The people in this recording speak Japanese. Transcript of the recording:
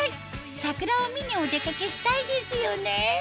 桜を見にお出かけしたいですよね